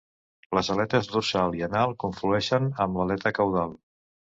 Les aletes dorsal i anal conflueixen amb l'aleta caudal.